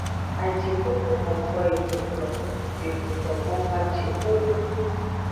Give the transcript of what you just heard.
Acixuxu vonko eboto, eboto vonko acixuxu.